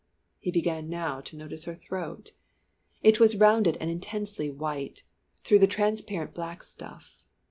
He began now to notice her throat, it was rounded and intensely white, through the transparent black stuff.